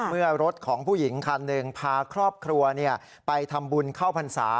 เมื่อรถของผู้หญิงคันหนึ่งพาครอบครัวไปทำบุญเข้าพรรษา